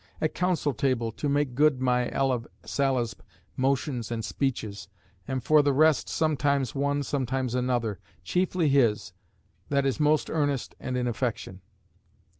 At Council table to make good my L. of Salisb. motions and speeches, and for the rest sometimes one sometimes another; chiefly his, that is most earnest and in affection.